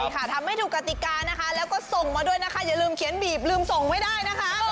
ค่ะทำไม่ถูกกติกานะคะแล้วก็ส่งมาด้วยนะคะอย่าลืมเขียนบีบลืมส่งไว้ได้นะคะ